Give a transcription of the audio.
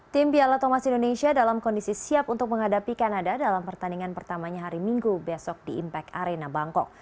tim piala thomas indonesia dalam kondisi siap untuk menghadapi kanada dalam pertandingan pertamanya hari minggu besok di impact arena bangkok